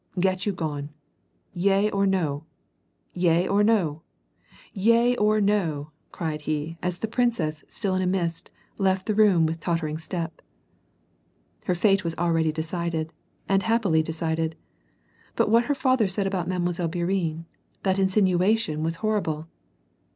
Get you gone. Yea or no, yea or no, yea or no !" cried he, as the princess, still in a mist, left the room with tottering step. Her fate was already decided, and happily decided. But That her father said about Mile. Bourienne, — that insinuation vas horrible.